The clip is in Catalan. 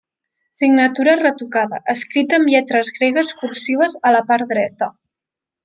Signatura retocada, escrita amb lletres gregues cursives a la part dreta.